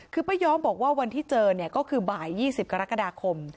คือป้าย้อมบอกว่าวันที่เจอเนี่ยก็คือบ่าย๒๐กรกฎาคม